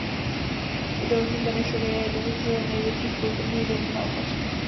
V Dolním Benešově je jeden z největších kulturních domů na Opavsku.